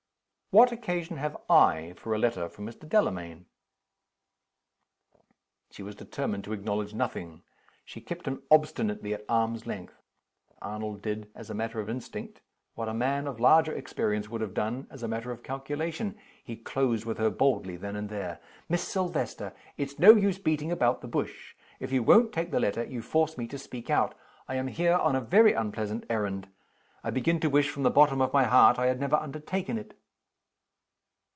"What occasion have I for a letter from Mr. Delamayn?" She was determined to acknowledge nothing she kept him obstinately at arm's length. Arnold did, as a matter of instinct, what a man of larger experience would have done, as a matter of calculation he closed with her boldly, then and there. "Miss Silvester! it's no use beating about the bush. If you won't take the letter, you force me to speak out. I am here on a very unpleasant errand. I begin to wish, from the bottom of my heart, I had never undertaken it."